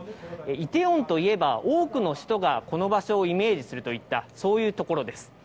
イテウォンといえば、多くの人がこの場所をイメージするといった、そういう所です。